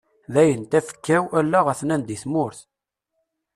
Dayen tafekka-w, allaɣ hatnan deg tmurt.